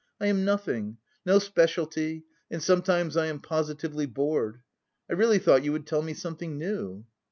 I am nothing, no specialty, and sometimes I am positively bored. I really thought you would tell me something new."